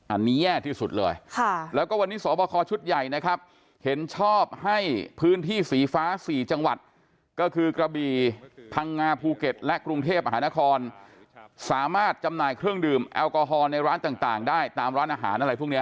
อันนี้แย่ที่สุดเลยแล้วก็วันนี้สอบคอชุดใหญ่นะครับเห็นชอบให้พื้นที่สีฟ้าสี่จังหวัดก็คือกระบี่พังงาภูเก็ตและกรุงเทพมหานครสามารถจำหน่ายเครื่องดื่มแอลกอฮอลในร้านต่างได้ตามร้านอาหารอะไรพวกนี้